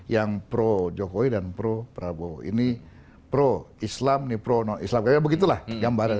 yang pro jokowi dan pro prabowo ini pro islam ini pro non islam begitulah gambaran